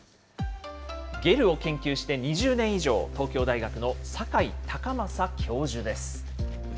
ゲルを研究して２０年以上、東京大学の酒井崇匡教授です。